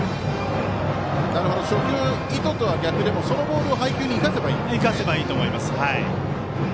初球、意図とは逆でも配球に生かせばいいんですね。